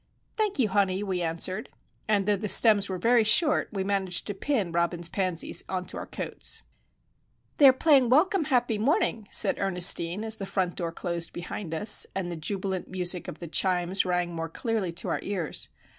"Thank you, honey," we answered. And, though the stems were very short, we managed to pin Robin's pansies into our coats. "They are playing 'Welcome, happy morning!'" said Ernestine, as the front door closed behind us, and the jubilant music of the chimes rang more clearly to our ears.